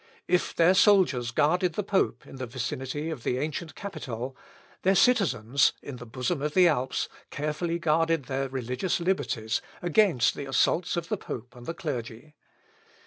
If their soldiers guarded the pope in the vicinity of the ancient Capitol, their citizens, in the bosom of the Alps, carefully guarded their religious liberties against the assaults of the pope and the clergy.